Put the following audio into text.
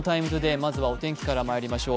まずはお天気からまいりましょう。